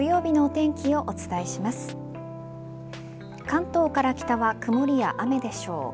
関東から北は曇りや雨でしょう。